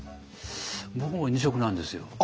僕も２食なんですよ。